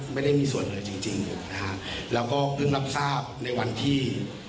ไม่ได้มีส่วนเลยจริงแล้วก็พึ่งรับทราบในวันที่